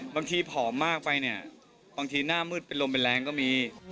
ผอมมากไปเนี่ยบางทีหน้ามืดเป็นลมเป็นแรงก็มี